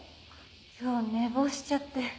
今日寝坊しちゃって。